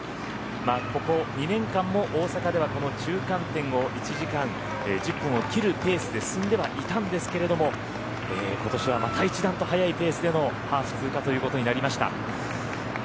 ここ２年間も大阪ではここ中間点を１時間１０分を切るペースで進んではいたんですけれども今年はまた一段と速いペースでのハーフ通過ということになりました。